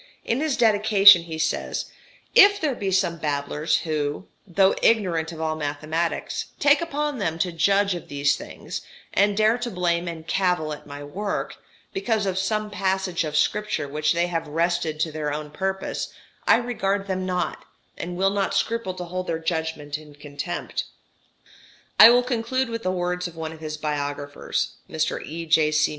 In his dedication he says: "If there be some babblers who, though ignorant of all mathematics, take upon them to judge of these things, and dare to blame and cavil at my work, because of some passage of Scripture which they have wrested to their own purpose, I regard them not, and will not scruple to hold their judgment in contempt." I will conclude with the words of one of his biographers (Mr. E.J.C.